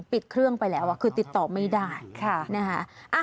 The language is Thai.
ปิดเครื่องไปแล้วคือติดต่อไม่ได้นะฮะ